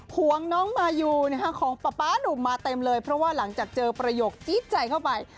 ห่วงน้องมายูของป๊าป๊านุ่มมาเต็มเลยเพราะว่าหลังจากเจอประโยคจี๊ดใจเข้าไป